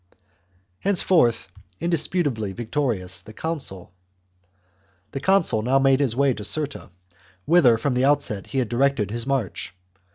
Henceforth indisputably victorious, the consul now made his way to Cirta, whither from the outset he had directed his march.